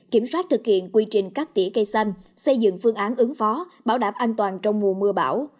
kiểm soát thực hiện quy trình cắt tỉa cây xanh xây dựng phương án ứng phó bảo đảm an toàn trong mùa mưa bão